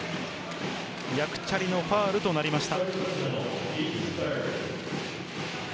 ヤクチャリのファウルとなりました。